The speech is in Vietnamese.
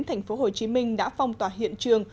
tp hcm đã phong tỏa hiện trường